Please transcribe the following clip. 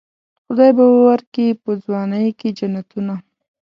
خدای به ورکي په ځوانۍ کې جنتونه.